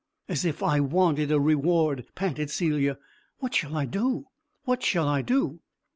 "As if I wanted a reward!" panted Celia. "What shall I do? What shall I do?"